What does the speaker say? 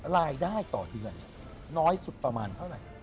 รายได้ต่อเดือนน้อยสุดประมาณเท่าไหร่